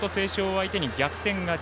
相手に逆転勝ち。